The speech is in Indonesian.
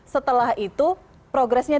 setelah itu progresnya